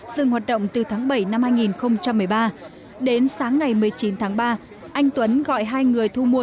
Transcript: dừng hoạt động từ tháng bảy năm hai nghìn một mươi ba đến sáng ngày một mươi chín tháng ba anh tuấn gọi hai người thu mua